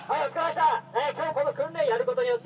きょうこの訓練、やることによって、